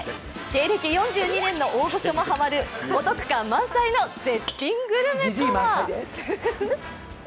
芸歴４２年の大御所もハマるお得感満載の絶品グルメとは。